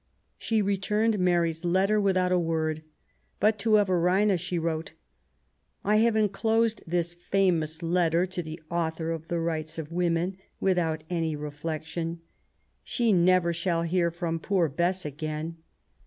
'* She returned Mary^s letter without a word, but to Everina she wrote :— I have enclosed this famous letter to the anthor of the Rights of Womenf withont any reflection. She shall never hear from Poor Bess again.